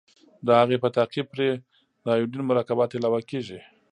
د هغې په تعقیب پرې د ایوډین مرکبات علاوه کیږي.